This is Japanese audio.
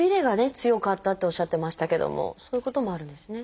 強かったっておっしゃってましたけどもそういうこともあるんですね。